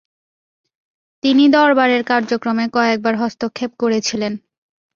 তিনি দরবারের কার্যক্রমে কয়েকবার হস্তক্ষেপ করেছিলেন।